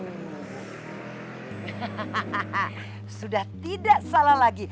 hahaha sudah tidak salah lagi